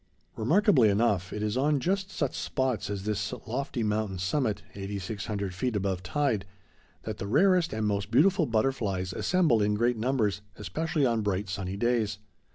Remarkably enough, it is on just such spots as this lofty mountain summit, 8600 feet above tide, that the rarest and most beautiful butterflies assemble in great numbers, especially on bright, sunny days.